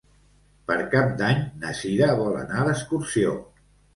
Per Cap d'Any na Cira vol anar d'excursió.